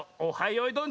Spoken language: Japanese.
よいどん」